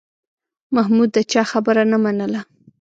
محمود د چا خبره نه منله.